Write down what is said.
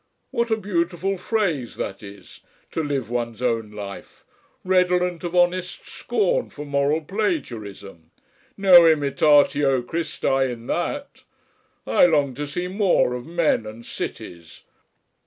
What a beautiful phrase that is to live one's own life! redolent of honest scorn for moral plagiarism. No Imitatio Christi in that ... I long to see more of men and cities....